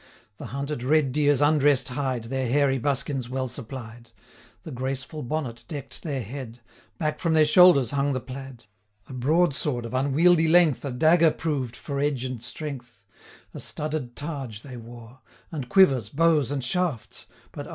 The hunted red deer's undress'd hide Their hairy buskins well supplied; The graceful bonnet deck'd their head: 120 Back from their shoulders hung the plaid; A broadsword of unwieldy length, A dagger proved for edge and strength, A studded targe they wore, And quivers, bows, and shafts, but, O!